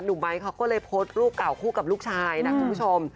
ไมค์เขาก็เลยโพสต์รูปเก่าคู่กับลูกชายนะคุณผู้ชม